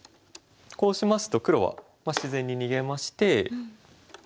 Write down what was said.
こうしますと黒は自然に逃げまして。